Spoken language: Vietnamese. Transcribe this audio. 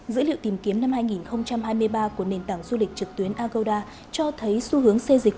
dữ liệu tìm kiếm năm hai nghìn hai mươi ba của nền tảng du lịch trực tuyến agoda cho thấy xu hướng xê dịch